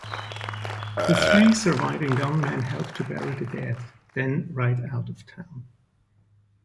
The three surviving gunmen help to bury the dead, then ride out of town.